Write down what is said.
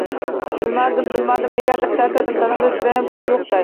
-Bilmadim, bilmadim. Negadir charchadim, tanamda sirayam kuch yo’qday.